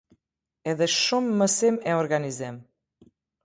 Edhe shumë mësim e organizim.